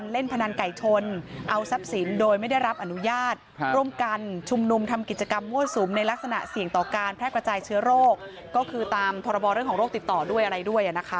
เล่นพนันไก่ชนเอาทรัพย์สินโดยไม่ได้รับอนุญาตร่วมกันชุมนุมทำกิจกรรมมั่วสุมในลักษณะเสี่ยงต่อการแพร่กระจายเชื้อโรคก็คือตามพรบเรื่องของโรคติดต่อด้วยอะไรด้วยนะคะ